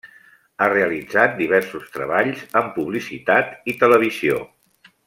Ha realitzat diversos treballs en publicitat i televisió.